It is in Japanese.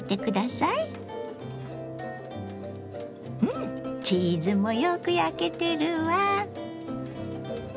うんチーズもよく焼けてるわ！